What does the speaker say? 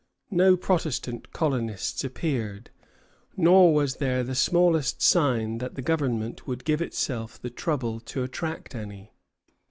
No Protestant colonists appeared, nor was there the smallest sign that the government would give itself the trouble to attract any.